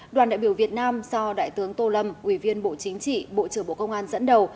đoàn đại biểu việt nam do đại tướng tô lâm ủy viên bộ chính trị bộ trưởng bộ công an dẫn đầu